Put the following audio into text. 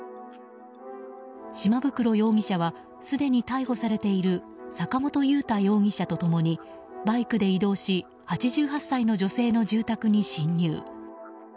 島袋容疑者はすでに逮捕されている坂本佑太容疑者と共にバイクで移動し８８歳の女性の住宅に侵入。